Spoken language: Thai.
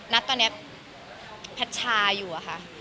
นั้นตอนนี้แพทย์ชาอยู่